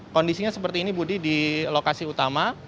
kondisinya seperti ini budi di lokasi utama